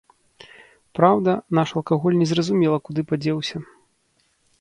Праўда, наш алкаголь незразумела куды падзеўся.